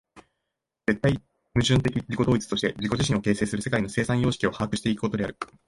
絶対矛盾的自己同一として自己自身を形成する世界の生産様式を把握し行くことである。